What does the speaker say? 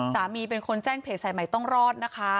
เป็นคนแจ้งเพจสายใหม่ต้องรอดนะคะ